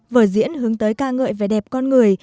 vở diễn hướng tới ca ngợi vẻ đẹp con người